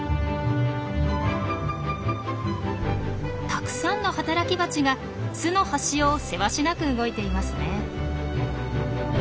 たくさんの働きバチが巣の端をせわしなく動いていますね。